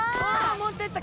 持ってった！